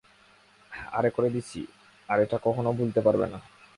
আরে করে দিছি, আর এটা কখনও ভুলতে পারবে না।